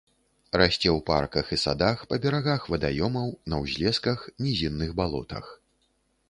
Расце ў парках і садах, па берагах вадаёмаў, на ўзлесках, нізінных балотах.